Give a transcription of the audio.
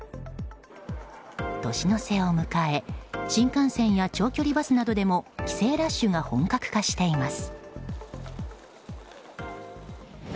年の瀬を迎え新幹線や長距離バスなどでも帰省ラッシュが本格化しています。